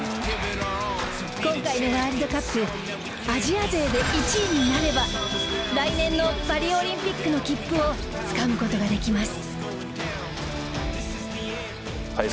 今回のワールドカップアジア勢で１位になれば来年のパリオリンピックの切符をつかむ事ができます。